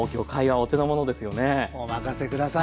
お任せ下さい。